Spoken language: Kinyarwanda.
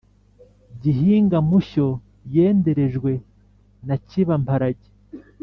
gihinga-mushyo yenderejwe na cyiba-mparage.